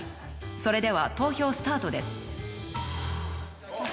それでは投票スタートです。